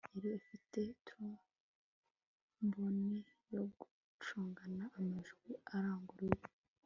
Yari afite trombone yo gucuranga amajwi aranguruye